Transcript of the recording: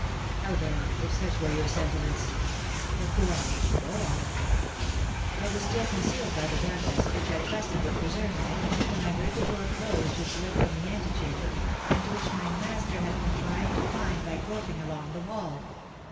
How, then, if such were your sentiments But go on, go on." "I was still concealed by the darkness, which I trusted would preserve me, when I heard the door closed which led from the antechamber, and which my master had contrived to find by groping along the wall.